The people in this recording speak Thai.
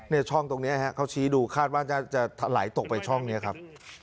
เนี่ยช่องตรงเนี้ยฮะเขาชี้ดูคาดว่าจะจะไหลตกไปช่องเนี้ยครับ